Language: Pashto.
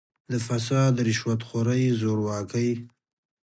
د «فساد، رشوت خورۍ، زورواکۍ